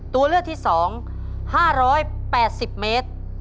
ตัวเลือกที่๒๕๘๐เมตร